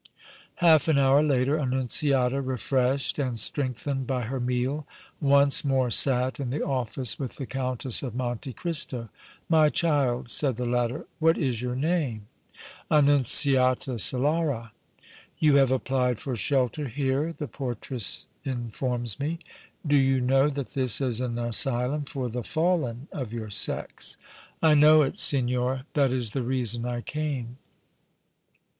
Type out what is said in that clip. Half an hour later, Annunziata, refreshed and strengthened by her meal, once more sat in the office with the Countess of Monte Cristo. "My child," said the latter, "what is your name?" "Annunziata Solara." "You have applied for shelter here the portress informs me. Do you know that this is an asylum for the fallen of your sex?" "I know it, signora; that is the reason I came."